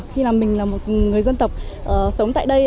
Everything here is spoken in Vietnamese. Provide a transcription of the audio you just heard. khi là mình là một người dân tộc sống tại đây